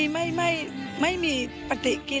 พี่ว่าความมีสปีริตของพี่แหวนเป็นตัวอย่างที่พี่จะนึกถึงเขาเสมอ